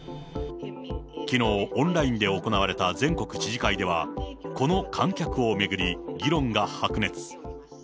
きのう、オンラインで行われた全国知事会では、この観客を巡り議論が白熱。